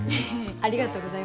ありがとうございます。